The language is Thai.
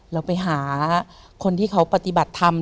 เราไปหาคนที่เขาปฏิบัติธรรม